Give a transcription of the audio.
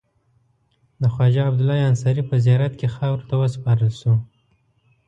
د خواجه عبدالله انصاري په زیارت کې خاورو ته وسپارل شو.